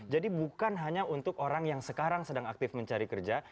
jadi bukan hanya untuk orang yang sekarang sedang aktif mencari kerja